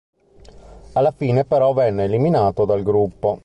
Alla fine, però, venne eliminato dal gruppo.